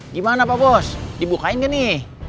gimana pak bos dibukain nggak nih